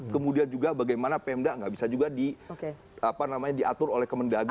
kemudian juga bagaimana pmdak nggak bisa juga di atur oleh kemendagri